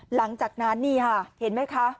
หลังจากนั้นนี่ค่ะเห็นไหมคะ